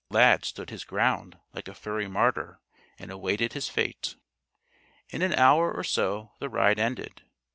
Lad stood his ground like a furry martyr, and awaited his fate. In an hour or so the ride ended.